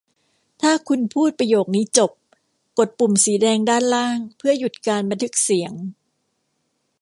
ถ้าคุณพูดประโยคนี้จบ กดปุ่มสีแดงด้านล่างเพื่อหยุดการบันทึกเสียง